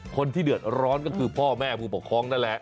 คนที่เดือดร้อนก็คือพ่อแม่ผู้ปกครองนั่นแหละ